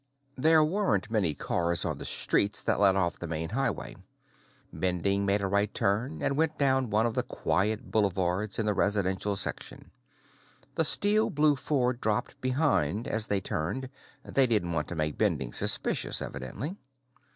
There weren't many cars on the streets that led off the main highway. Bending made a right turn and went down one of the quiet boulevards in the residential section. The steel blue Ford dropped behind as they turned; they didn't want to make Bending suspicious, evidently.